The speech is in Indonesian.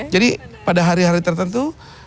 jadi pada hari hari tertentu